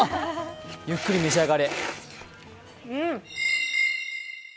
ゆっくり召し上がれ。